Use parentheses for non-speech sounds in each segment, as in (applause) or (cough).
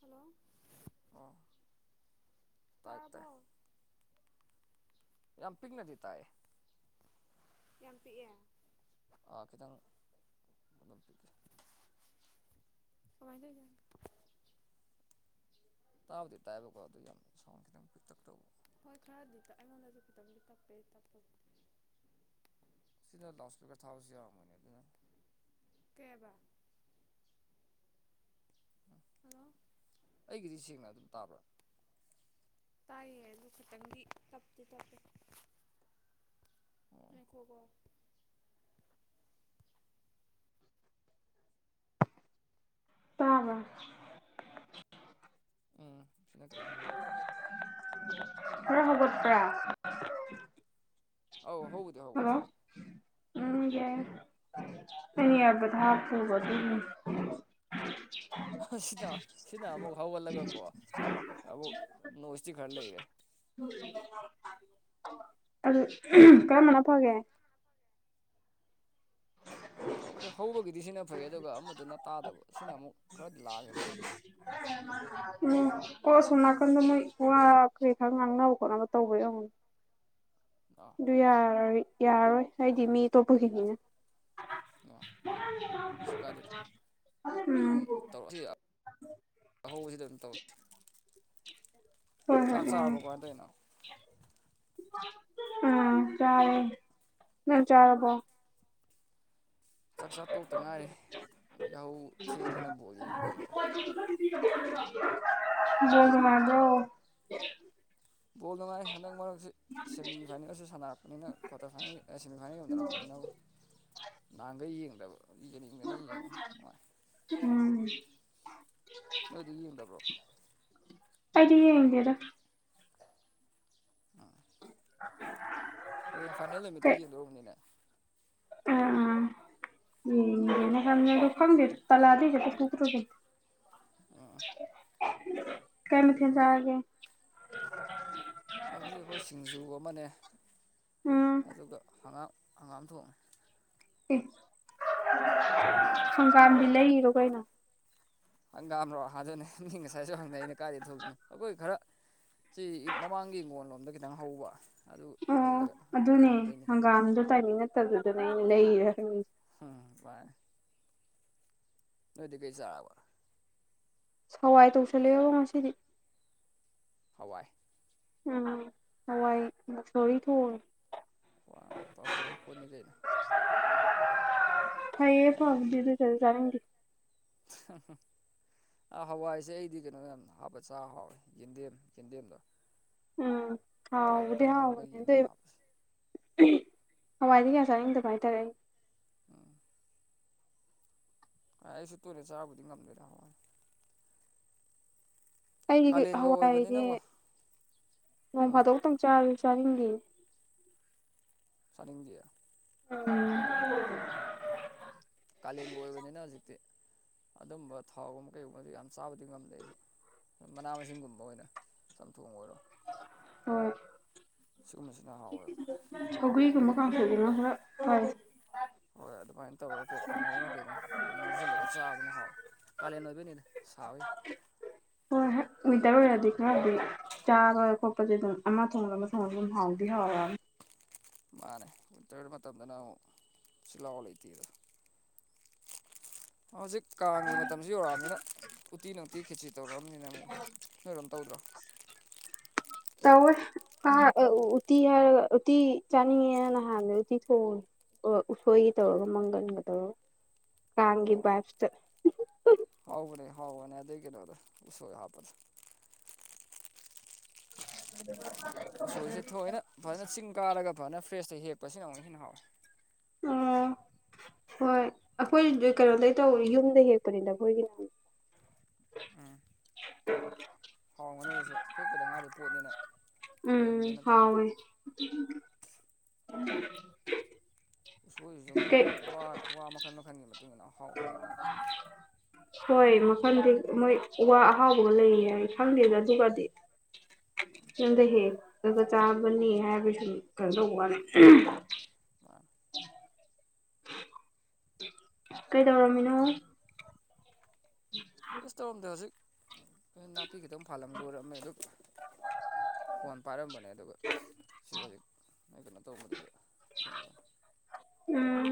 Hello ꯑꯣ ꯇꯥꯏ ꯇꯥꯏ ꯇꯥꯔꯕꯣ ꯌꯥꯝ ꯄꯤꯛꯅꯗꯤ ꯇꯥꯏꯑ ꯌꯥꯝ ꯄꯤꯛꯑꯦ ꯈꯤꯇꯪ ꯑꯗꯨꯝ ꯄꯤꯒꯦ ꯀꯥꯏꯅ ꯌꯥ ꯇꯥꯕꯨꯗꯤ ꯇꯥꯏꯕꯀꯣ ꯑꯗꯨ ꯌꯥꯝ ꯁꯥꯎꯟ ꯈꯤꯇꯪ ꯄꯤꯛꯇꯛ ꯇꯧꯕ ꯍꯣꯏ ꯈꯔꯗꯤ ꯑꯩꯉꯣꯟꯗꯁꯨ ꯈꯤꯇꯪꯗꯤ ꯇꯥꯛꯄꯦ ꯇꯄ ꯁꯤꯅ ꯂꯥꯎꯠ ꯁ꯭ꯄꯤꯀꯔ ꯊꯥꯕꯁꯨ ꯌꯥꯔꯝꯃꯣꯏꯅꯦ ꯑꯗꯨꯅ ꯀꯦꯕ ꯎꯝ ꯍꯜꯂꯣ ꯑꯩꯒꯤꯗꯤ ꯁꯦꯡꯅ ꯑꯗꯨꯝ ꯇꯥꯕ꯭ꯔꯥ ꯇꯥꯏꯌꯦ ꯑꯗꯨ ꯈꯤꯇꯪꯗꯤ ꯇꯞꯇꯤ ꯇꯞꯄꯦ ꯑꯣ (unintelligible) ꯍꯣ ꯍꯣ ꯇꯥꯕꯔ꯭ ꯎꯝ ꯁꯤꯅ ꯈꯤꯇꯪ ꯍꯧꯋꯤ ꯍ ꯍꯒꯠꯄ꯭ꯔꯥ ꯑꯧ ꯍꯧꯕꯨꯗꯤ ꯍꯜꯂꯣ ꯍꯧꯒꯠꯂꯦ ꯎꯝ ꯌꯦ ꯑꯅꯤꯍꯥꯏꯕꯗꯣ (unintelligible) ꯊꯥꯒꯣ (unintelligible) ꯍ ꯁꯤꯅꯥ ꯁꯤꯅꯥ ꯑꯃꯨꯛ ꯍꯧꯒꯠꯂꯒꯀꯣ ꯑꯃꯨꯛ ꯅꯣꯏꯁꯇꯤ ꯈꯔ ꯂꯩꯔꯦ (unintelligible) (unintelligible) ꯑꯗꯨ ꯎꯝ ꯀꯔꯝꯕꯅ ꯐꯒꯦ ꯐꯕꯗꯤ ꯍꯧꯕꯒꯤꯗꯤ ꯁꯤꯅ ꯐꯩ ꯑꯗꯨꯒ ꯑꯃꯗꯨꯅ ꯇꯥꯗꯕ ꯁꯤꯅ ꯑꯃꯨꯛ ꯈꯔꯗꯤ ꯂꯥꯡꯉꯦ ꯃꯅꯤꯡꯗ (inaudible) ꯎꯝ ꯀꯣ ꯁꯣꯝ ꯅꯥꯀꯟꯗ ꯃꯣꯏ ꯉ ꯀꯩ ꯈꯔ ꯉꯥꯡꯅꯕ ꯈꯣꯠꯅꯕ ꯇꯧꯕ ꯌꯥꯎꯉꯅꯦ ꯗꯥ ꯑꯗꯨ ꯌꯥꯔꯤ ꯌꯥꯔꯔꯣꯏ ꯍꯥꯏꯗꯤ ꯃꯤ ꯑꯇꯣꯞꯄꯒꯤꯅꯤꯅ ꯑꯣ ꯀꯩꯁꯨ ꯀꯥꯏꯗꯦ ꯎꯝ ꯑꯗꯨꯝ ꯇꯧꯔꯛꯁꯤ ꯑꯍꯧꯕꯖꯤꯗ ꯑꯗꯨꯝ ꯇꯧꯔꯁꯤ ꯍꯣꯏ ꯆꯥꯛ ꯍꯣꯏ ꯆꯥꯕ ꯎꯝ ꯀꯃꯥꯏꯇꯩꯅꯣ ꯎꯝ ꯆꯥꯔꯦ ꯅꯪ ꯆꯥꯔꯕꯣ ꯆꯥꯛꯆꯥꯥ ꯇꯣꯛꯇ ꯉꯥꯏꯔꯦ ꯌꯥꯍꯧ ꯊꯦꯡꯗꯅ ꯕꯣꯜ ꯌꯦꯡꯤꯉꯩꯗ ꯖꯣꯡ ꯅꯨꯉꯥꯏꯕ꯭ꯔꯣ ꯕꯣꯜ ꯅꯨꯡꯉꯥꯏ ꯍꯟꯗꯛ ꯃꯔꯛꯁꯤ ꯁꯦꯃꯤꯐꯥꯏꯅꯦꯜꯁꯨ ꯁꯥꯟꯅꯔꯛꯄꯅꯤꯅ ꯀ꯭ꯋꯥꯇꯔ ꯐꯥꯏꯅꯦꯜꯒꯤ ꯑꯦ ꯁꯦꯃꯤꯐꯥꯏꯅꯦꯜ ꯌꯧꯅꯔꯛꯄꯅꯤꯅꯕ ꯅꯍꯥꯟꯒꯩ ꯌꯦꯡꯗꯕ ꯌꯦꯡꯅꯤꯡꯗꯅ ꯌꯦꯡꯕ ꯅꯨꯡꯉꯥꯏ ꯎꯝ ꯅꯣꯏꯗꯤ ꯌꯦꯡꯗꯕ꯭ꯔꯣ ꯑꯩꯗꯤ ꯌꯦꯡꯗꯦꯗ ꯍꯌꯦꯡ ꯐꯥꯏꯅꯦꯜ ꯅꯨꯃꯤꯠꯇꯤ ꯀꯩ ꯌꯦꯡꯗꯣꯔꯕꯅꯤꯅꯦ ꯑꯥ ꯌꯦꯡꯒꯦꯅ ꯈꯟꯕꯅꯦ ꯑꯗꯣ ꯈꯪꯗꯦ ꯇꯜꯂꯗꯤ ꯍꯦꯛꯇ ꯇꯣꯛꯀꯗꯣꯏꯅꯦ ꯑꯥ ꯀꯩ ꯃꯊꯦꯜ ꯆꯥꯔꯒꯦ ꯍꯧꯖꯤꯛ ꯑꯩꯈꯣꯏ ꯁꯤꯡꯖꯨ ꯑꯃꯅꯦ ꯎꯝ ꯑꯗꯨꯒ ꯍꯪꯒꯥꯝ ꯍꯪꯒꯥꯝ ꯊꯣꯡꯉꯦ ꯑꯦ ꯍꯪꯒꯥꯝꯗꯤ ꯂꯩꯔꯣ ꯀꯩꯅꯣ ꯍꯪꯒꯥꯝꯔꯣ ꯑꯗꯨꯅꯦ ꯃꯤ ꯉꯁꯥꯏꯁꯨ ꯍꯪꯅꯩ ꯑꯩꯅ ꯀꯥꯏꯗꯩ ꯊꯣꯡꯏꯅꯣ ꯑꯩꯈꯣꯏ ꯈꯔ ꯁꯤ ꯃꯃꯥꯡꯒꯤ ꯏꯪꯒꯣꯟꯜ ꯂꯣꯝꯗ ꯈꯤꯇꯪ ꯍꯧꯕ ꯑꯗꯨ ꯑꯣ ꯃꯜꯂꯒ ꯑꯗꯨꯅꯦ ꯊꯝꯕꯩꯅꯤꯗ ꯍꯪꯒꯥꯝꯗꯣ ꯇꯥꯏꯃꯤꯡ ꯅꯠꯇꯕꯗꯨꯗꯅꯦ ꯑꯩꯅ ꯂꯩꯔꯤꯔꯥ ꯍꯪꯉꯤ ꯎꯝ ꯚꯥꯏ ꯅꫭꯏꯗꯤ ꯀꯩ ꯆꯥꯔꯕ ꯍꯋꯥꯏ ꯇꯧꯁꯜꯂꯦꯕꯣ ꯉꯁꯤꯗꯤ ꯍꯋꯥꯏ ꯎꯝ ꯍꯋꯥꯏ ꯃꯨꯛꯁꯣꯔꯤ ꯊꯣꯡꯉꯦ (unintelligible) ꯇꯧꯊꯣꯛꯄꯅꯤꯗ ꯑꯩꯅ ꯐꯩꯌꯦ ꯐꯥꯕꯨꯗꯤ ꯑꯗꯨ ꯑꯣꯏꯇꯔꯖꯨ ꯆꯥꯅꯤꯡꯗꯦ (unintelligible) ꯑꯥ ꯍꯋꯥꯏꯁꯦ ꯑꯩꯗꯤ ꯀꯩꯅꯣ ꯌꯥꯝ ꯍꯥꯞꯄ ꯆꯥ ꯍꯥꯎꯋꯦ ꯌꯦꯟꯗꯦꯝ ꯌꯦꯟꯗꯦꯝꯗꯣ ꯎꯝ ꯊꯥꯎ ꯍꯥꯎꯕꯥꯗꯤ ꯈꯤꯇꯪ ꯉꯧꯔꯒ ꯍꯥꯎꯋꯦ ꯌꯦꯟꯗꯦꯝ ꯍꯥꯞꯄꯁꯦ ꯎꯝ ꯍꯋꯥꯏꯗꯤ ꯀꯌꯥ ꯆꯥꯅꯤꯡꯗꯕ ꯍꯥꯏꯇꯥꯔꯦ ꯑꯩ ꯎꯝ ꯑꯩꯁꯨ ꯇꯣꯏꯅ ꯆꯥꯕꯨꯗꯤ ꯉꯝꯗꯦꯗ ꯍꯋꯥꯏ ꯑꯩꯗꯤ ꯀꯥꯂꯦꯟꯒ ꯍꯋꯥꯏꯖꯦ ꯑꯣꯏꯕꯅꯤꯅꯀꯣ ꯅꯣꯡ ꯎꯝ ꯐꯥꯗꯣꯛꯇꯪ ꯆꯥꯕ ꯆꯥꯅꯤꯡꯗꯦ ꯆꯥꯅꯤꯡꯗꯤꯌꯦ ꯎꯝ ꯀꯥꯂꯦꯟꯒ ꯑꯣꯏꯕꯅꯤꯅ ꯍꯧꯖꯤꯛꯇꯤ ꯑꯗꯨꯝꯕ ꯊꯥꯎꯒꯨꯝꯕ ꯀꯩꯒꯨꯝꯕꯖꯦ ꯌꯥꯝ ꯆꯥꯕꯗꯤ ꯉꯝꯗꯦ ꯑꯩꯁꯨ ꯃꯅꯥ ꯃꯁꯤꯡꯒꯨꯝꯕ ꯑꯣꯏꯅ ꯆꯝꯊꯣꯡ ꯑꯣꯏꯔꯣ ꯎꯝ ꯁꯤꯒꯨꯝꯕꯁꯤꯅ ꯍꯥꯎꯋꯦꯕ ꯁꯧꯒ꯭ꯔꯤꯒꯨꯝꯕ ꯀꯥꯡꯁꯣꯏꯒꯨꯝꯕꯅ ꯈꯔ ꯐꯩ ꯍꯣꯏ ꯑꯗꯨꯃꯥꯏ ꯇꯧꯔ ꯀꯣꯛ ꯀꯥꯡꯍꯧꯔ ꯀꯩꯅꯣ ꯑꯗꯨꯝ ꯉꯧꯁꯤꯜꯂꯒ ꯆꯥꯕꯗꯨꯅ ꯍꯥꯎꯋꯦ ꯀꯥꯂꯦꯟ ꯑꯣꯏꯕꯩꯅꯤꯗ ꯁꯥꯕꯩ ꯍꯣꯏ ꯍꯣꯏ ꯋꯤꯟꯇꯔ ꯑꯣꯏꯔꯗꯤ ꯈꯔꯗꯤ ꯆꯥꯕ ꯈꯣꯠꯄꯗꯤ ꯑꯗꯨꯝ ꯑꯃ ꯊꯣꯡꯕ ꯑꯃ ꯊꯣꯡꯉꯁꯨ ꯑꯗꯨꯝ ꯍꯥꯎꯗꯤ ꯍꯥꯎꯔꯅꯤ ꯃꯥꯅꯦ ꯋꯤꯟꯇꯔ ꯃꯇꯝꯗꯅ ꯑꯃꯨꯛ ꯁꯤꯜꯂꯥꯎ ꯂꯩꯇꯦꯗ ꯍꯧꯖꯤꯛ ꯀꯥꯡꯒꯤ ꯃꯇꯝꯁꯤ ꯌꯧꯔꯝꯅꯤꯅ ꯎꯇꯤ ꯅꯨꯡꯇꯤ ꯈꯦꯠꯆꯤ ꯇꯧꯔꯝꯅꯤꯅ ꯑꯝ ꯅꯣꯏꯔꯣꯝ ꯇꯧꯗ꯭ꯔꯣ ꯇꯧꯋꯦ ꯑꯥ ꯎꯇꯤ ꯍꯥꯏꯔꯒ ꯎꯇꯤ ꯆꯥꯅꯤꯡꯉꯦꯅ ꯅꯍꯥꯟꯗ ꯎꯠꯇꯤ ꯊꯣꯡꯉꯦ ꯎꯁꯣꯏꯒꯤ ꯇꯧꯔꯒ ꯃꯪꯒꯟꯒ ꯇꯧꯔꯒ ꯀꯥꯡꯒꯤ ꯕꯥꯏꯞꯁꯇ ꯍꯥꯎꯅꯦ ꯍꯥꯎꯕꯅꯦ ꯑꯗꯗꯒꯤ ꯀꯩꯅꯗ ꯎꯁꯒ ꯍꯥꯄꯗ (unintelligible) ꯎꯁꯣꯏꯁꯦ ꯊꯌꯣꯏꯅ ꯐꯖꯅ ꯆꯤꯡ ꯀꯥꯔꯒ ꯐꯅ ꯐ꯭ꯔꯦꯁꯇ ꯍꯦꯛꯄꯁꯤꯅ ꯑꯃꯨꯛ ꯍꯦꯟꯅ ꯍꯥꯎꯋꯦ ꯑꯣ ꯍꯣꯏ ꯑꯩꯈꯣꯏ ꯀꯩꯅꯣꯗꯒꯤꯩ ꯇꯧ ꯌꯨꯝꯗ ꯍꯦꯛꯄꯅꯤꯗ ꯑꯩꯈꯣꯏꯒꯤꯅ ꯍꯥꯎꯔꯝꯉꯅꯤꯅꯁꯨ ꯍꯦꯛꯄꯗ ꯉꯥꯏꯔꯤ ꯄꯣꯠꯅꯤꯅ ꯎꯝ ꯌꯣꯟꯕꯗꯨ ꯅꯠꯇꯕꯀꯣ ꯍꯥꯎꯦ ꯎꯁꯣꯏꯁꯤꯁꯨ ꯃꯣꯏꯒꯤ ꯋꯥ ꯋꯥ ꯃꯈꯜ ꯃꯈꯜꯒꯤ ꯃꯇꯨꯡ ꯏꯟꯅ ꯑꯍꯥꯎꯕꯁꯨ ꯂꯩ ꯃꯥꯜꯂꯦ ꯍꯣꯏ ꯃꯈꯜꯗꯤ ꯃꯣꯏ ꯋꯥ ꯑꯍꯥꯎꯕꯒ ꯂꯩꯌꯦ ꯍꯥꯏ ꯈꯪꯗꯦꯗ ꯑꯗꯨꯒꯗꯤ ꯌꯨꯝꯗ ꯍꯦꯛꯂꯒ ꯆꯥꯕꯅꯤ ꯍꯥꯏꯕ ꯁ ꯀꯗꯧꯕ ꯋꯥꯅꯤ ꯉꯥꯟ ꯀꯩꯗꯧꯔꯝꯃꯤꯅꯣ (unintelligible) ꯑꯁ ꯇꯧꯔꯝꯗ ꯍꯧꯖꯤꯛ ꯑꯩ ꯅꯥꯄꯤ ꯈꯤꯇꯪ ꯐꯥꯜꯂꯝ ꯂꯣꯏꯔꯝꯃꯦ ꯑꯗꯨ ꯐꯣꯟ ꯄꯥꯏꯔꯝꯕꯅꯦ ꯑꯗꯨꯒ ꯁꯤ ꯍꯧꯖꯤꯛ ꯅꯣꯏ ꯀꯩꯅꯣ ꯇꯧꯕꯗꯨꯗ ꯊꯦꯡꯅꯕꯅꯦ ꯎꯝ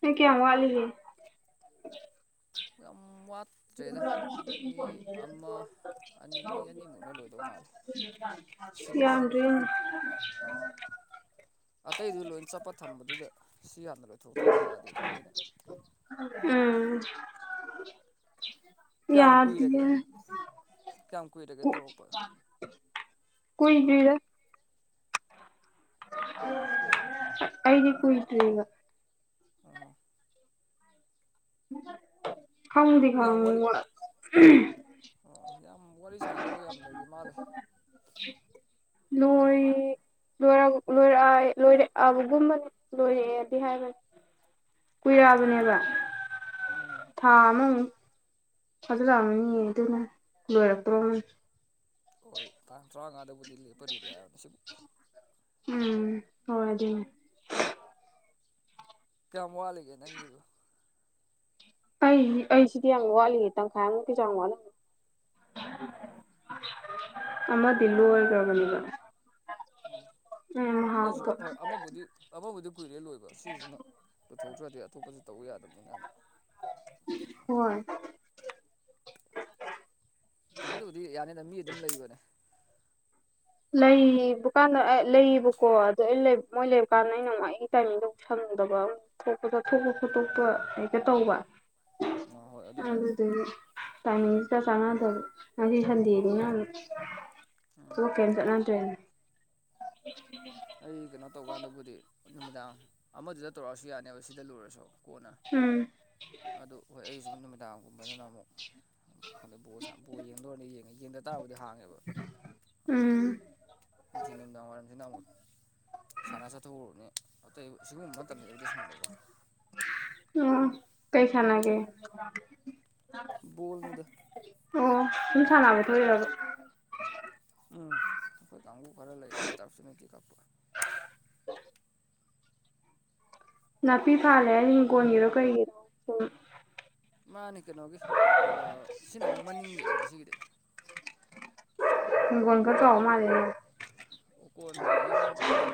ꯅꯪ ꯀꯌꯥꯝ ꯋꯥꯠꯂꯤꯒꯦ ꯎꯝ ꯋꯥꯠ ꯑꯅꯤ ꯃꯤ ꯑꯅꯤꯃꯨꯛꯅ ꯂꯣꯏꯗꯧ ꯃꯥꯜꯂꯦ (unintelligible) ꯁꯤꯒꯤꯁꯤꯒ ꯌꯥꯔꯤ ꯑꯥ ꯑꯇꯩꯗꯨ ꯂꯣꯏ ꯆꯠꯄ ꯊꯝꯕꯗꯨꯗ ꯁꯤ ꯌꯥꯝꯅ ꯂꯣꯏꯊꯣꯛꯇ꯭ꯔꯗꯤ ꯌꯥꯗꯦ ꯑꯗꯨꯗ ꯑꯩꯅ ꯎꯝ ꯀꯌꯥꯝ ꯌꯥꯗꯤꯌꯦ ꯀꯨꯏꯔꯒꯦ ꯀꯌꯥꯝ ꯀꯨ ꯏꯔꯦ ꯀꯣꯏ ꯇꯔꯤꯗ ꯎ ꯑꯥ ꯑ ꯑꯩꯗꯤ ꯀꯨꯏꯗ꯭ꯔꯤ ꯑꯕ ꯑꯣ ꯈꯪꯗꯤ ꯌꯥꯝ ꯋꯥꯔꯤ ꯈꯪꯕ (unintelligible) ꯑꯣ ꯌꯥꯝ ꯋꯥꯔꯤ ꯁꯥꯟꯅꯗꯧꯕ ꯌꯥꯝꯗꯒꯤ ꯃꯥꯜꯂꯦ ꯍꯥꯏꯗꯤ ꯂꯣꯏ ꯂꯣꯏꯔꯛꯑ ꯂꯣꯏꯔꯛꯑꯕꯒꯨꯝꯕꯅꯤ ꯂꯣꯏꯔꯛꯑꯦꯗꯤ ꯍꯥꯏꯕꯅꯤ (unintelligible) ꯎꯝ ꯊꯥꯑꯃꯃꯨꯛ ꯑꯗꯨꯗ ꯂꯃꯤꯅꯤ ꯌꯦꯗꯨꯅ ꯂꯣꯏꯔꯄ꯭ꯔꯣ ꯍꯣꯏ ꯇꯥꯡ ꯇꯔꯥꯃꯉꯥꯗꯕꯨꯗꯤ ꯂꯦꯞꯄꯅꯦꯗꯤ ꯍꯥꯏꯔꯕꯅꯤ ꯁꯤ ꯎꯝ ꯍ ꯑꯗꯨꯅꯦ ꯀꯌꯥꯝ ꯋꯥꯠꯂꯤꯒꯦ ꯅꯪꯒꯤꯕꯨ ꯑꯩ ꯑꯩꯁꯤꯗꯤ ꯌꯥꯝ ꯋꯥꯠꯂꯤꯌꯦ ꯇꯪꯈꯥꯏꯃꯨꯛꯀꯤꯁꯨ ꯌꯥꯝ ꯋꯥꯠꯂꯝ ꯑꯣ ꯑꯃꯗꯤ ꯂꯣꯏꯒ꯭ꯔꯕꯅꯦꯕ ꯑꯣ ꯑꯩꯖꯨ ꯍꯥꯞꯄ ꯍꯣꯏ ꯑꯃꯕꯨꯗꯤ ꯊꯕꯛꯄꯨꯗꯤ ꯀꯨꯏꯔꯦ ꯂꯣꯏꯕ ꯁꯤꯖꯤꯃ ꯄꯨꯊꯣꯛꯇ꯭ꯔꯗꯤ ꯑꯇꯣꯞꯄꯖꯨ ꯇꯧ ꯌꯥꯗꯕꯅꯤꯅꯅ꯫ ꯇꯔꯕ ꯍꯣꯏ ꯑꯗꯨꯕꯨꯗꯤ ꯌꯥꯅꯤꯅ ꯃꯤ ꯑꯗꯨꯝ ꯂꯩꯕꯅꯦ ꯂꯩꯕꯀꯥꯟꯗ ꯂꯩꯌꯦꯕꯀꯣ ꯑꯗꯨ ꯑꯩ ꯂꯩꯕ ꯃꯣꯏ ꯂꯩꯕ ꯀꯥꯟꯗ ꯑꯩꯅꯃꯨꯛ ꯑꯩꯒꯤ ꯇꯥꯏꯃꯤꯡꯗꯣ ꯑꯃꯨꯛ ꯁꯪꯗꯕ ꯑꯃꯨꯛ ꯊꯣꯛꯄ ꯆꯠꯊꯣꯛꯄ ꯈꯣꯠꯇꯣꯛꯄ ꯍꯦꯛꯇ ꯇꯧꯕ ꯑ ꯍꯣꯏ ꯑꯗꯨ ꯑꯗꯨꯕꯨꯗꯤ ꯑꯗꯨ ꯑꯗꯨ ꯇꯅꯤꯗ ꯁꯉ ꯊꯧꯕ (unintelligible) ꯍꯥꯏꯗꯤ ꯁꯟꯗꯦꯅꯤꯅ ꯑꯃꯨꯛ ꯑꯝ ꯗꯣ ꯀꯩꯝ ꯆꯠꯅꯗ꯭ꯔꯦꯅꯦ ꯑꯩ ꯀꯩꯅꯣ ꯇꯧꯀꯥꯟꯗꯕꯨꯗꯤ ꯅꯨꯃꯤꯗꯥꯡ ꯑꯃꯗꯨꯗ ꯇꯧꯔꯛꯑꯁꯨ ꯌꯥꯅꯦꯕ ꯁꯤꯗ ꯂꯣꯏꯔꯁꯨ ꯀꯣꯟꯅ ꯎꯝ ꯑꯗꯨ ꯍꯣꯏ ꯑꯩꯁꯨ ꯅꯨꯃꯤꯗꯥꯡꯒꯨꯝꯕꯗꯅ ꯑꯃꯨꯛ ꯍꯟꯗꯛ ꯕꯣ ꯁꯥ ꯕꯣꯜ ꯌꯦꯡꯗꯧꯔꯗꯤ ꯌꯦꯡꯉꯦ ꯌꯦꯡꯗ ꯇꯥꯔꯕꯨꯗꯤ ꯍꯥꯡꯉꯦꯕ ꯑꯗꯩ ꯎꯝ ꯅꯨꯡꯊꯤꯟ ꯅꯨꯃꯤꯗꯥꯡ ꯋꯥꯏꯔꯝꯁꯤꯅ ꯑꯃꯨꯛ ꯁꯅꯥ ꯆꯊꯣꯛꯎꯔꯅꯤ ꯑꯇꯩ ꯁꯤꯒꯨꯝꯕ ꯃꯇꯝꯁꯤꯗꯕꯨꯗ ꯁꯪꯕꯀꯣ꯫ ꯎꯝ ꯀꯩ ꯁꯥꯅꯒꯦ ꯕꯣꯜꯅꯤꯗ꯫ ꯑꯣ ꯁꯨꯝ ꯁꯥꯟꯅꯕ ꯊꯣꯛꯏꯔꯕ ꯎꯝ ꯑꯩꯈꯣꯏ ꯀꯥꯡꯕꯨ ꯈꯔ ꯂꯩ ꯑꯁꯤ ꯇ꯭ꯔꯞꯁꯤ ꯅꯨꯡꯇꯤ ꯀꯛꯄ꯫ ꯅꯥꯄꯤ ꯐꯜꯂꯦ ꯍꯥꯏ ꯍꯤꯡꯒꯣꯟꯜꯒꯤꯔꯣ ꯀꯩꯒꯤꯔꯣ (unintelligible) ꯃꯥꯅꯦ ꯀꯩꯅꯣꯒꯤ ꯁꯤꯅ ꯑꯃꯨꯛ ꯃꯅꯤꯡꯒꯤꯅꯦ ꯉꯁꯤꯒꯤꯗꯤ꯫ (unintelligible) ꯍꯤꯡꯒꯣꯜ ꯈ ꯑꯣꯀꯣꯟ ꯆꯥꯎꯕ ꯃꯥꯟꯂꯦ ꯅꯣꯏ ꯑꯣꯀꯣꯟ ꯍꯣꯏ ꯌꯨꯝꯒꯤ ꯃꯅꯤꯡ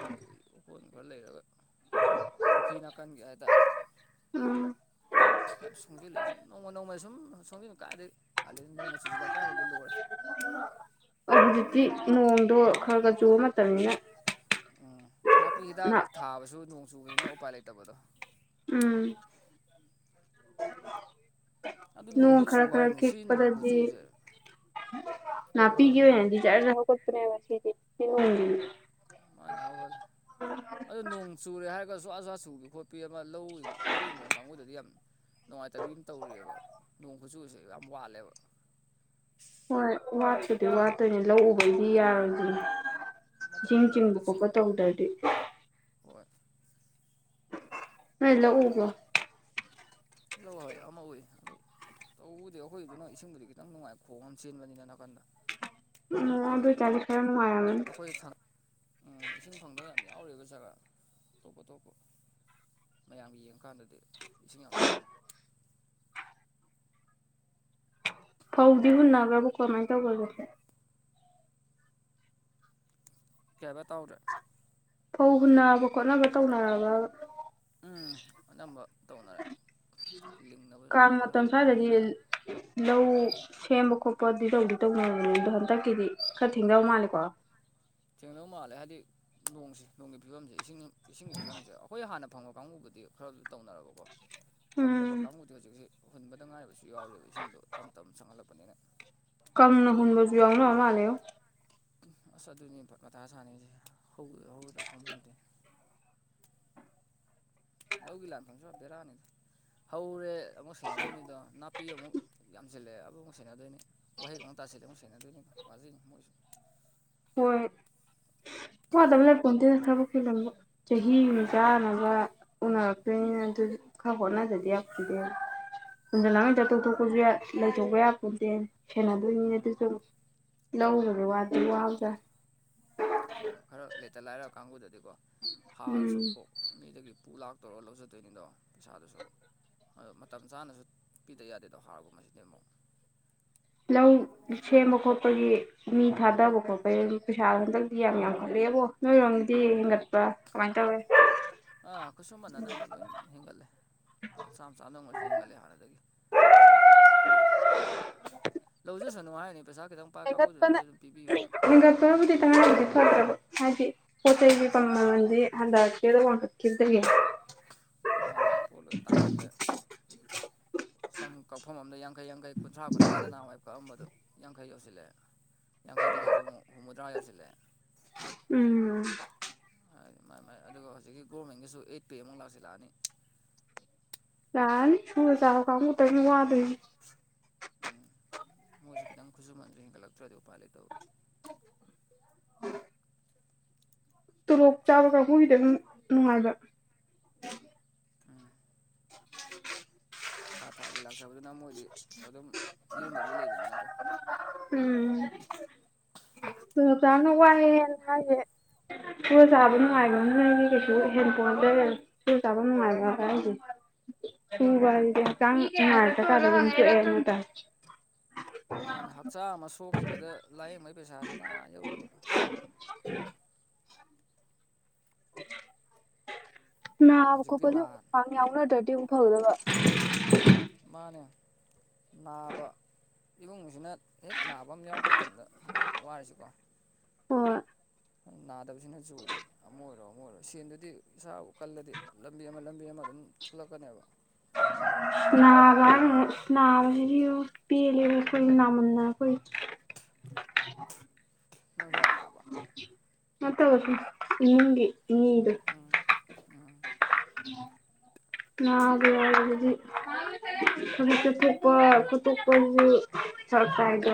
ꯑꯣꯀꯣꯟ ꯈꯔ ꯂꯩꯔꯒ꯫ ꯄꯨꯈ꯭ꯔꯤ ꯅꯥꯀꯟꯒꯤ ꯍꯥꯏꯇꯥꯔꯦ ꯎꯝ꯫ ꯌꯥꯝ ꯁꯣꯡꯁꯤꯜꯂꯦ ꯁꯨꯝ ꯅꯣꯡꯃ ꯅꯣꯡꯃꯗ ꯁꯨꯝ ꯁꯣꯡꯁꯤꯟ ꯀꯥꯏꯏꯗꯒꯤ ꯀꯥꯂ ꯅꯣꯡꯃ ꯆꯨꯁꯤꯜꯂꯛꯀꯥꯟꯗꯗꯤ ꯂꯣꯏꯔꯦ ꯍꯧꯖꯤꯛꯇꯤ ꯅꯣꯡꯗꯣ ꯈꯔ ꯈꯔ ꯆꯨꯕ ꯃꯇꯝꯅꯤꯅ ꯎꯝ ꯅꯥꯄꯤ ꯍꯤꯗꯥꯛ ꯊꯥꯕꯁꯨ ꯅꯣꯡ ꯆꯨꯕꯅꯤꯅ ꯎꯄꯥꯏ ꯂꯩꯇꯕꯗꯣ꯫ ꯎꯝ ꯑꯗꯨ ꯅꯣꯡ ꯅꯣꯡꯁꯤ ꯆꯨ ꯈꯔ ꯈꯔ ꯍꯥꯏꯔꯤꯕꯅꯤ ꯁꯤ ꯅꯣꯡ ꯈꯤꯛꯄꯗꯗꯤ ꯈꯨꯆꯨꯁꯦ ꯑꯥ ꯉꯅꯥꯄꯤꯤꯒꯤ ꯑꯣꯏꯅ ꯌꯥꯝꯗꯤꯖꯔꯗ ꯍꯧꯒꯠꯄꯅꯦꯕ ꯁꯤꯗꯤ ꯐ ꯃꯥꯅꯦ ꯍꯧꯒꯠꯂꯦ ꯑꯗꯨ ꯅꯣꯡ ꯆꯨꯔꯦ ꯍꯥꯏꯔꯒ ꯖꯋꯥ ꯖꯋꯥ ꯆꯨꯕꯤ ꯈꯣꯠꯄꯤ ꯑꯃ ꯂꯧ ꯂꯧ ꯍꯤꯡꯈꯣꯟ ꯀꯥꯡꯕꯨꯗꯗꯤ ꯌꯥꯝ ꯅꯨꯡꯉꯥꯏꯇꯕꯤ ꯑꯃ ꯇꯧꯔꯤꯑꯕ ꯅꯣꯡ ꯈꯨꯆꯨꯁꯦ ꯌꯥꯝ ꯋꯥꯠꯂꯦꯕ ꯍꯣꯏ ꯋꯥꯠꯄꯨꯗꯤ ꯋꯥꯠꯇꯣꯏꯅꯦ ꯂꯧꯎꯕꯗꯤ ꯌꯥꯔꯣꯏꯗꯣꯏꯅꯤ꯫ ꯃꯇꯠ ꯆꯦꯡ ꯃꯇꯠ ꯆꯤꯡꯕ ꯃꯇꯠ ꯈꯣꯠꯄ ꯆꯨꯕꯅꯤꯅꯀꯣ ꯇꯧꯗ꯭ꯔꯗꯤ ꯍꯣꯏ꯫ ꯅꯣꯏ ꯂꯧ ꯎꯕ꯭ꯔꯣ ꯂ ꯍꯣꯏ ꯑꯃ ꯎꯏ ꯑꯗꯨ ꯇꯧꯕꯗꯤ ꯑꯩꯈꯣꯏꯗꯨ ꯅꯪ ꯏꯁꯤꯡꯗꯨꯗꯤ ꯈꯤꯇꯪ ꯅꯨꯡꯉꯥꯏ ꯈꯣꯡ ꯑꯃ ꯆꯦꯟꯕꯅꯤꯅ ꯅꯥꯀꯟꯗ ꯎꯝ ꯑꯗꯨꯏ ꯇꯥꯔꯗꯤ ꯈ ꯅꯨꯡꯉꯥꯏꯔꯝꯅꯤ ꯑꯩꯈꯣꯏꯗ ꯁꯡ ꯑꯨꯝ ꯏꯁꯤꯡ ꯐꯪꯗꯕ ꯌꯥꯝ ꯌꯥꯎꯔꯤꯕ ꯖꯒꯥ ꯑꯇꯣꯞꯄ ꯑꯇꯣꯞꯄ꯫ ꯃꯌꯥꯝꯒꯤ ꯌꯦꯡꯉꯀꯥꯟꯗꯗꯤ ꯏꯁꯤꯡ ꯌꯥꯝ ꯋꯥꯠꯂꯦ ꯐꯧꯗꯤ ꯍꯨꯟꯅꯒ꯭ꯔꯕꯣ ꯀꯃꯥꯏ ꯇꯧꯒꯔꯒꯦ꯫ ꯀꯌꯥꯗ ꯇꯥꯎꯔꯦ ꯐꯧ ꯍꯨꯟꯅꯕ ꯈꯣꯠꯅꯕ ꯇꯧꯅꯔꯕꯕ ꯎꯝ ꯑꯅꯝꯕ ꯇꯧꯅꯔꯦ ꯂꯤꯡꯅꯕ ꯀꯥꯡ ꯈꯔ ꯃꯇꯝ ꯁ꯭ꯋꯥꯏꯗꯗꯤ ꯈꯔꯝꯅ ꯂꯤꯡꯉꯦ ꯂꯧ꯫ ꯁꯦꯝꯕ ꯈꯣꯠꯄ ꯑꯗꯨ ꯇꯧꯗꯤ ꯇꯧꯅꯅꯤ ꯑꯗꯣ ꯍꯟꯗꯛꯀꯤꯗꯤ ꯈꯔ ꯊꯦꯡꯗꯧ ꯃꯥꯜꯂꯦꯀꯣ ꯊꯦꯡꯅꯕꯧ ꯃꯥꯜꯂꯦ ꯍꯥꯏꯕꯗꯤ ꯅꯣꯡꯁꯦ ꯅꯣꯡꯒꯤ ꯐꯤꯕꯝꯁꯦ ꯏꯁꯤꯡ ꯏꯁꯤꯡꯒꯤ ꯐꯤꯕꯝꯁꯦ ꯑꯩꯈꯣꯏ ꯍꯥꯟꯅ ꯐꯪꯕ ꯀꯥꯡꯕꯨꯗꯤ ꯈꯔ ꯇꯧꯅꯔꯕꯀꯣ ꯐꯪꯗꯕ ꯎꯝ ꯀꯥꯡꯕꯨ ꯑ ꯍꯧꯖꯤꯛꯁꯦ ꯍꯨꯟꯕꯗ ꯉꯥꯏꯔꯕꯁꯨ ꯌꯥꯎꯔꯦꯕ ꯏꯁꯤꯡꯗꯣ ꯇꯞ ꯇꯞꯅ ꯆꯪꯍꯜꯂꯛꯄꯅꯤꯅ ꯀꯪꯅ ꯍꯟꯕꯁꯨ ꯌꯥꯎꯅꯕ ꯃꯥꯜꯂꯦꯉꯣ꯫ ꯑꯁ ꯑꯗꯨꯅꯤ ꯃꯊꯥ ꯁꯥꯟꯅꯩꯁꯦ ꯍꯧꯒꯗ꯭ꯔ ꯍꯧꯔꯣꯏꯗ꯭ꯔ ꯈꯪꯄꯣꯟꯇꯦ ꯂꯧꯒꯤ ꯂꯥꯟꯐꯝꯁꯤꯃ ꯕꯦꯔꯥꯅꯤꯗ ꯍꯧꯔꯦ ꯑꯃꯨꯛ ꯁꯦꯟꯅꯗꯣꯏꯅꯤꯗꯣ ꯅꯥꯄꯤ ꯑꯃꯨꯛ ꯌꯥꯝꯖꯤꯜꯂꯛꯑꯦ (unintelligible) ꯁꯦꯟꯅꯗꯣꯏꯅꯤ ꯋꯥꯍꯩꯛꯇꯥꯥꯁꯤꯜꯂꯦ ꯑꯃꯨꯛ ꯁꯦꯟꯅꯗꯣꯏꯅꯤ ꯋꯥꯖꯩꯅꯤ ꯃꯣꯏꯁꯨ꯫ ꯍꯣꯏ ꯋꯥꯗꯕ ꯂꯩꯄꯣꯟꯇꯦꯗ ꯊꯕꯛꯇꯤ ꯂꯣꯏꯃꯛ ꯆꯍꯤ ꯆꯥꯅꯕ ꯎꯅꯔꯛꯇꯣꯏꯅꯤꯅ ꯑꯗꯨꯗꯤ ꯈꯔ ꯍꯣꯠꯅꯖꯗꯦ ꯌꯥ ꯎꯝ ꯄꯨꯗꯦ ꯊꯨꯟꯖꯂꯉꯩ ꯇꯥꯣꯛꯊꯣꯛꯄꯁꯨ ꯂꯩꯊꯣꯛꯄ ꯌꯥ ꯄꯨꯗꯦ ꯁꯦꯟꯅꯗꯣꯏꯅꯤ ꯑꯗꯨꯁꯨ ꯂꯧꯈꯒꯦ ꯋꯥ ꯑꯗꯨ ꯋꯥꯗꯥ ꯁꯦꯡꯕ ꯈꯔ ꯂꯩꯇ ꯂꯥꯏꯔ ꯀꯥꯡꯕꯨꯗꯗꯤꯀꯣ ꯍꯥꯔꯁꯨ ꯎꯝ ꯀꯣꯛ ꯃꯤꯗꯒꯤ ꯄꯨ ꯂꯥꯛ ꯇꯧꯔꯒ ꯂꯧꯖꯥꯗꯣꯏꯅꯤꯗꯣ ꯄꯩꯁꯥꯗꯨꯁꯨ ꯑꯗꯣ ꯃꯇꯝ ꯆꯥꯅꯁꯨ ꯄꯤꯗ ꯌꯥꯗꯦꯗꯣ ꯍꯥꯔꯒꯨꯝꯕꯁꯤꯗꯤ ꯑꯃꯨꯛ ꯂꯧ ꯁꯦꯝꯕ ꯈꯣꯠꯄꯒꯤ ꯃꯤ ꯊꯥꯗꯕ ꯈꯣꯠꯄꯩ ꯄꯩꯁꯥ ꯍꯟꯇꯛꯇꯗꯤ ꯌꯥꯝ ꯌꯥꯝꯈꯠꯂꯦꯕꯣ ꯅꯣꯏꯔꯣꯝꯒꯤꯗꯤ ꯍꯦꯟꯒꯠꯄ꯭ꯔꯥ ꯀꯃꯥꯏ ꯇꯧꯋꯤ (unintelligible) ꯑ ꯈꯨꯁꯨꯃꯟ ꯑꯅꯝꯕ ꯂꯣꯏ ꯍꯦꯟꯒꯠꯂꯦ ꯂꯨꯄ ꯆꯥꯝꯃ ꯆꯥꯝꯃꯗꯪꯡ ꯑꯣꯏꯖꯨ ꯍꯦꯟꯀꯠꯂꯦ ꯍꯥꯟꯅꯗꯒꯤ ꯂꯧꯖꯁꯅꯨ ꯍꯥꯏꯥꯅꯤ ꯄꯩꯁꯥ ꯀꯗꯪ ꯍꯦꯟꯒꯠꯄꯅ ꯍꯦꯟꯒꯠꯄꯅꯕꯨꯗꯤ ꯇꯉꯥꯏꯕꯨꯗꯤ ꯐꯠꯗ꯭ꯔꯕ ꯍꯥꯏꯗꯤ ꯄꯣꯠ ꯆꯩꯒꯤ ꯃꯃꯜꯗꯤ ꯍꯟꯗꯔꯛꯇꯦ ꯋꯥꯡꯈꯠꯈꯤꯕꯗꯒꯤ ꯃꯥꯅꯦ ꯄꯣꯠ ꯂꯣꯏ ꯇꯥꯡꯈꯠꯂꯦ ꯁꯝ ꯀꯛꯐꯝ ꯑꯃꯗ ꯌꯥꯡ ꯌꯥꯡꯈꯩ ꯌꯥꯡꯈꯩ ꯀꯨꯟꯊ꯭ꯔꯥ ꯀꯨꯟꯊ꯭ꯔꯥꯗ ꯅꯍꯥꯟꯋꯥꯏ ꯀꯛꯑꯝꯕꯗꯨ ꯌꯥꯡꯈꯩ ꯌꯧꯁꯤꯜꯂꯛꯑꯦ ꯌꯥꯡꯈꯩꯗꯒꯤ ꯍꯧꯖꯤꯛ ꯑꯃꯨꯛ ꯍꯨꯝꯕꯨꯗ꯭ꯔꯥ ꯌꯧꯁꯤꯜꯂꯦ ꯎꯝ ꯍꯥꯏꯗꯤ ꯃꯥꯏ ꯃꯥꯏ ꯑꯗꯨꯒ ꯍꯧꯖꯤꯛꯀꯤ ꯒꯣꯔꯃꯦꯟꯒꯤꯁꯨ ꯑꯩꯠ ꯄꯦ ꯑꯃꯨꯛ ꯂꯥꯛꯁꯤꯂꯥꯛꯑꯅꯤ ꯂꯥꯛꯑꯅꯤ ꯁꯨꯨꯔ ꯆꯥꯕ ꯀꯥꯡꯕꯨꯇꯪꯅꯦ ꯋꯥꯗꯣꯏꯁꯤ ꯎꯝ ꯃꯣꯏꯁꯨ ꯈꯤꯇꯪ ꯈꯨꯠꯁꯨꯃꯟꯗꯣ ꯍꯦꯟꯒꯠꯂꯛꯇ꯭ꯔꯗꯤ ꯎꯄꯥꯏ ꯂꯩꯇꯕ (unintelligible) ꯇꯣꯂꯣꯞ ꯆꯥꯕ ꯀꯥꯡꯕꯨꯒꯤꯗꯤ ꯑꯗꯨꯝ ꯅꯨꯡꯉꯥꯏꯕ ꯎꯝ ꯊꯥ ꯊꯥꯒꯤ ꯂꯥꯛꯆꯕꯗꯨꯅ ꯃꯣꯏꯗꯤ ꯑꯗꯨꯝ ꯂꯦꯡꯗꯕꯤ ꯂꯩꯕꯅꯤꯅꯀꯣ ꯎꯝ ꯇꯣꯂꯣꯕ ꯆꯥꯕꯅꯥ ꯋꯥꯏꯌꯦ ꯍꯥꯏꯁꯦ ꯁꯨꯔ ꯆꯥꯕ ꯅꯨꯡꯉꯥꯏꯕ ꯑꯝꯅꯗꯤ ꯀꯩꯁꯨ ꯍꯦꯟꯄꯣꯟ (unintelligible) ꯆꯨꯔ ꯆꯥꯕ ꯅꯨꯡꯉꯥꯏꯕ ꯍꯥꯏꯁꯦ ꯁꯨꯕ ꯍꯥꯏꯖꯤꯗꯤ ꯍꯛꯆꯥꯡ (unintelligible) ꯃꯥꯅꯦ ꯍꯛꯆꯥꯡ ꯑꯃ ꯁꯣꯛꯈꯤꯕꯗ ꯂꯥꯏꯌꯦꯡꯕꯒꯤ ꯄꯩꯁꯥꯁꯤꯅ ꯑꯥ ꯌꯧꯔꯤꯕ (unintelligible) ꯅꯥꯕ ꯍꯧꯖꯤꯛꯇꯤ ꯈꯣꯠꯄꯁꯦ ꯅꯥ ꯑꯃꯨꯛ ꯄꯥꯏ ꯌꯥꯎꯅꯗ꯭ꯔꯗꯤ ꯑꯃꯨꯛ ꯐꯥꯒꯗꯕ ꯃꯥꯅꯦ ꯅꯥꯕ ꯏꯃꯨꯡꯁꯤꯅ ꯍꯦꯛ ꯅꯥꯕ ꯑꯃ ꯌꯥꯎꯔꯛꯄ ꯃꯇꯝꯗ ꯑꯗꯨꯝ ꯋꯥꯔꯤꯁꯤꯀꯣ ꯍꫭꯏ ꯅꯥꯗꯕꯁꯤꯅ ꯖꯣꯏꯅꯦ ꯑꯃ ꯑꯣꯏꯔꯣ ꯑꯃ ꯑꯣꯏꯔꯣ ꯁꯦꯟꯗꯨꯗꯤ ꯏꯁꯥꯕꯨ ꯀꯜꯂꯗꯤ ꯂꯝꯕꯤ ꯑꯃ ꯂꯝꯕꯤ ꯑꯃ ꯑꯗꯨꯝ ꯊꯣꯂꯛꯀꯅꯦꯕ (unintelligible) ꯅꯥꯕ ꯍꯥꯏꯔꯒꯃꯨꯛ ꯅꯥꯕꯁꯤꯗꯤꯕꯣ ꯄꯦꯜꯂꯦꯕꯣꯈꯣꯏ ꯅꯥꯃꯟꯗꯅ ꯑꯩꯈꯣꯏ ꯅꯪꯁꯨ ꯌꯥꯝ ꯅꯥꯕ ꯅꯠꯇꯕ ꯏꯃꯨꯡꯒꯤ ꯃꯤꯗꯨ ꯎꯝ ꯎꯝ ꯅꯥꯕ ꯑꯗꯨꯗꯤ ꯊꯕꯛ ꯆꯠꯊꯣꯛꯄ ꯈꯣꯠꯇꯣꯛꯄꯁꯨ ꯐꯔꯛ ꯇꯥꯏꯗꯣ